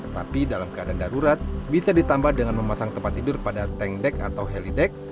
tapi dalam keadaan darurat bisa ditambah dengan memasang tempat tidur pada tank deck atau heli deck